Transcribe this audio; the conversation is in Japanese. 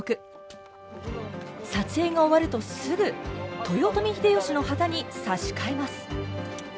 撮影が終わるとすぐ豊臣秀吉の旗に差し替えます。